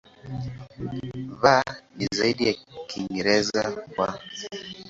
V ni zaidi ya Kiingereza "w".